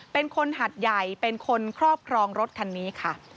เป็นคนหัดใหญ่เป็นคนครอบครองรถคันนี้ค่ะ